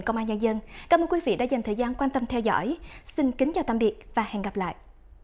cảm ơn quý vị đã dành thời gian quan tâm theo dõi xin kính chào tạm biệt và hẹn gặp lại